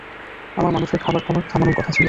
আমার মানুষের খাবার খাওয়া থামানোর কথা ছিল।